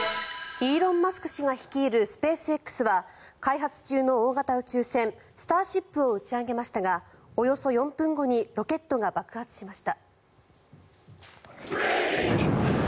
イーロン・マスク氏が率いるスペースＸは開発中の大型宇宙船スターシップを打ち上げましたがおよそ４分後にロケットが爆発しました。